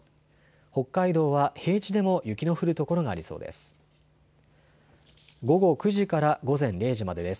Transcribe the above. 北海道は平地でも雪の降る所がありそうです。